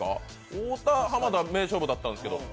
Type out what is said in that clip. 太田、濱田は名勝負だったんですけど？